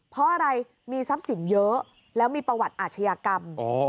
เพราะอะไรมีทรัพย์สินเยอะแล้วมีประวัติอาชญากรรม